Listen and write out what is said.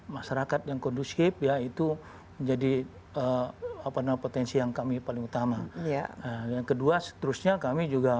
masyarakat yang kondusif ya itu menjadi apa namanya potensi yang kami paling utama ya yang kedua seterusnya kami juga